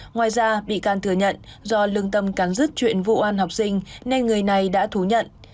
ngoài ra bị can thừa nhận do lương tâm cán rứt chuyện vụ ăn học sinh nên người này đã thú nhận